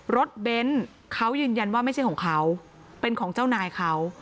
เบ้นเขายืนยันว่าไม่ใช่ของเขาเป็นของเจ้านายเขา